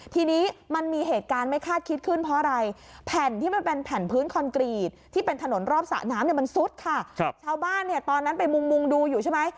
ทีนี้มันมีเหตุการณ์ไม่คาดคิดขึ้นเพราะอะไรแผ่นที่มันเป็นแผ่นพื้นคอนกรีตที่เป็นถนนรอบสระน้ำเนี้ยมันซุดค่ะ